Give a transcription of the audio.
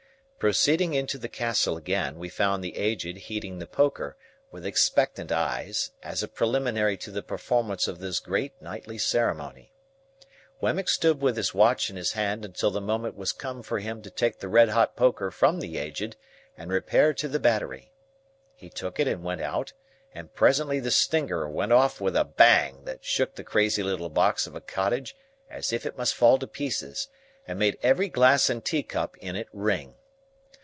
Proceeding into the Castle again, we found the Aged heating the poker, with expectant eyes, as a preliminary to the performance of this great nightly ceremony. Wemmick stood with his watch in his hand until the moment was come for him to take the red hot poker from the Aged, and repair to the battery. He took it, and went out, and presently the Stinger went off with a Bang that shook the crazy little box of a cottage as if it must fall to pieces, and made every glass and teacup in it ring.